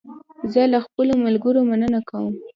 زه له خپلو ملګرو مننه کوم.